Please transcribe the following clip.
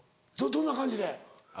どんな感じで？